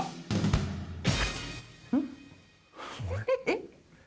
えっ？